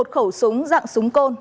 một khẩu súng dạng súng côn